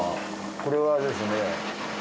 これはですね。